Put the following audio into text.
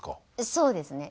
そうですね。